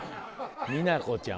みなこちゃん